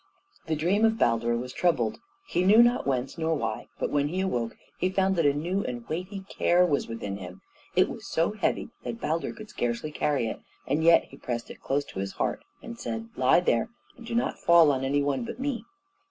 The dream of Baldur was troubled. He knew not whence nor why; but when he awoke he found that a new and weighty care was within him. It was so heavy that Baldur could scarcely carry it, and yet he pressed it closely to his heart and said, "Lie there, and do not fall on any one but me."